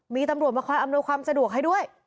มีตำรวจมาคอยอำนวยความสะดวกให้ด้วย